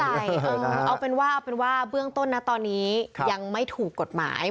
ยังไม่มั่นใจเอาเป็นว่าเบื้องต้นตอนนี้ยังไม่ถูกกฎหมาย